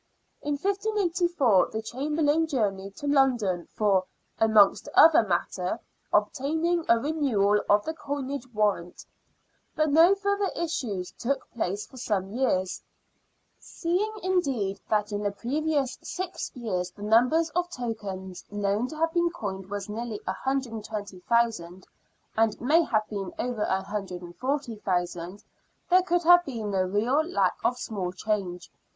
In 1584 the Chamberlain journeyed to London for, amongst other matter, obtaining a renewal of the coinage warrant ; but no further issues took place for some years. Seeing, indeed, that in the previous six years the number of tokens known to have been coined was nearly 120,000, and may have been over 140,000. there could have been no real lack of small change.